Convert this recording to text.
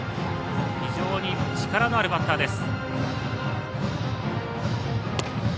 非常に力のあるバッターです。